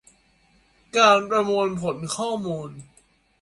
การประมวลผลข้อมูล